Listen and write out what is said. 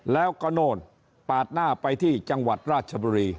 แล้วก็โน่นปาดหน้าไปที่จังหวัดราชบุรี